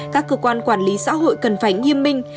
các cơ quan quản lý xã hội cần phải nghiêm minh